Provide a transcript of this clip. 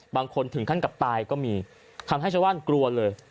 ถึงขั้นกับตายก็มีทำให้ชาวบ้านกลัวเลย